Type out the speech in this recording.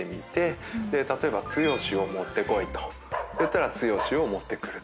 例えばつよしを持ってこいといったらつよしを持ってくる。